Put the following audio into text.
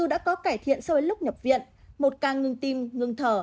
dù đã có cải thiện sau lúc nhập viện một ca ngừng tim ngừng thở